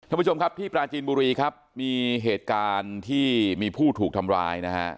ท่านผู้ชมครับที่ปราจีนบุรีครับมีเหตุการณ์ที่มีผู้ถูกทำร้ายนะฮะ